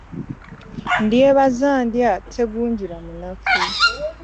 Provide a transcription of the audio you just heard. Ndyebaza ndya, tagunjulamunafu .